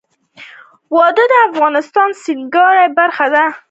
وادي د افغانستان د سیلګرۍ برخه ده.